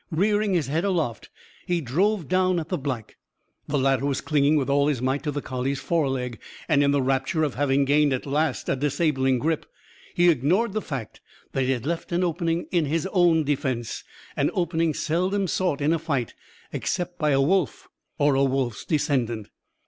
Rearing his head aloft, he drove down at the Black. The latter was clinging with all his might to the collie's foreleg. And, in the rapture of having gained at last a disabling grip, he ignored the fact that he had left an opening in his own defence; an opening seldom sought in a fight, except by a wolf or a wolf's descendant.